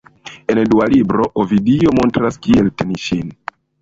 En dua libro, Ovidio montras kiel teni ŝin.